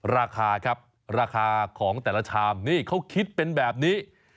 ราคาครับราคาของแต่ละชามนี่เขาคิดเป็นแบบนี้